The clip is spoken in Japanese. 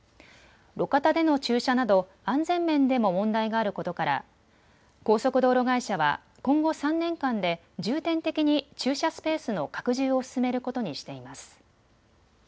路肩での駐車など安全面でも問題があることから高速道路会社は今後３年間で重点的に駐車スペースの拡充を進めることにしています。